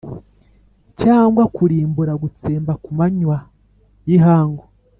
cyangwa kurimbura gutsemba ku manywa y’ihangu.